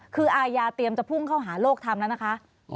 คืออายาเตรียมจะพุ่งเข้าหาโลกทำแล้วนะคะ